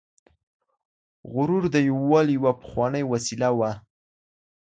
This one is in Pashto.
غرور د یووالي یوه پخوانۍ وسیله وه.